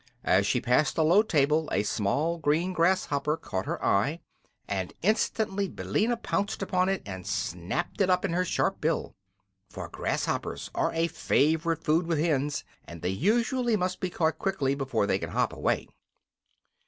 As she passed a low table a small green grasshopper caught her eye, and instantly Billina pounced upon it and snapped it up in her sharp bill. For grasshoppers are a favorite food with hens, and they usually must be caught quickly, before they can hop away.